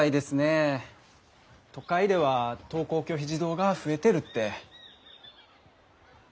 都会では登校拒否児童が増えてるって。